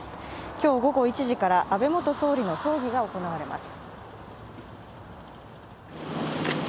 今日午後１時から安倍元総理の葬儀が行われます。